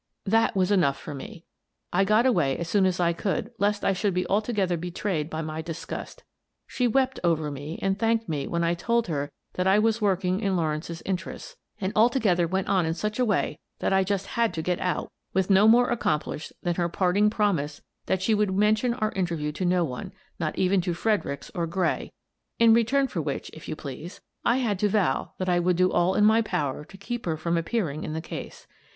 That was enough for me. I got away as soon as I could lest I should be altogether betrayed by my disgust. She wept over me and thanked me when I told her that I was working in Lawrence's interests, and altogether went on in such a way that I just had to get out with no more accomplished than her parting promise that she would mention our inter view to no one — not even to Fredericks or Gray — in return for which, if you please, I had to vow that I would do all in my power to keep her from appearing in the case.